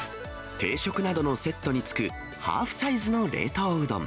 定食などのセットにつくハーフサイズの冷凍うどん。